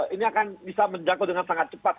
ini akan bisa menjangkau dengan sangat cepat